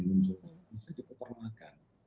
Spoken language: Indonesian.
maksud saya juga di rumah makan